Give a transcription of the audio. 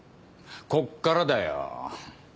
こっからだよ。